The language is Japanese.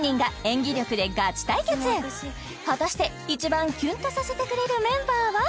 果たして一番キュンとさせてくれるメンバーは？